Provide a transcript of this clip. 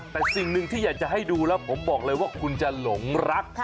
แต่สิ่งหนึ่งที่อยากจะให้ดูแล้วผมบอกเลยว่าคุณจะหลงรัก